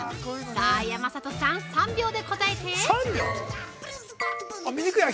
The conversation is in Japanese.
さぁ山里さん、３秒で答えて◆３秒！？